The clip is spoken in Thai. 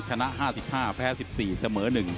ชนะ๕๕แพ้๑๔เสมอ๑